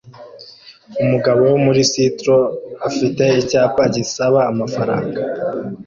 Umugabo wo muri Seattle afite icyapa gisaba amafaranga